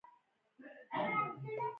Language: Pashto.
د ځوان په اوږد غټ مخ موسکا خوره شوه.